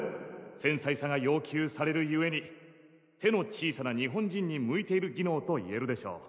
繊細さが要求されるゆえに手の小さな日本人に向いている技能といえるでしょう。